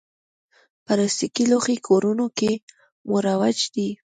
پلاستيکي لوښي کورونو کې مروج دي.